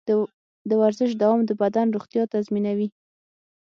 د ورزش دوام د بدن روغتیا تضمینوي.